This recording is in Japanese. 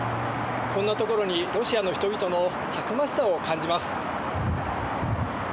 こんなところに、ロシアの人々のたくましさを感じます。